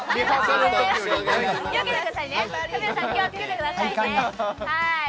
カメラさん、気をつけてくださいね。